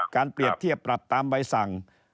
เปรียบเทียบปรับตามใบสั่ง